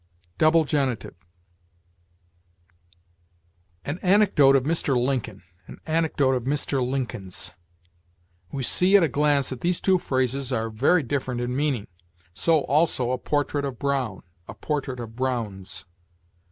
DOUBLE GENITIVE. An anecdote of Mr. Lincoln an anecdote of Mr. Lincoln's. We see at a glance that these two phrases are very different in meaning. So, also, a portrait of Brown a portrait of Brown's.